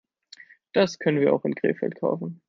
Das können wir auch in Krefeld kaufen